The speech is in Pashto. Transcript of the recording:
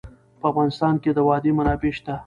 په افغانستان کې د وادي منابع شته.